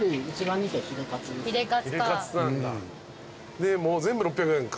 でもう全部６００円か。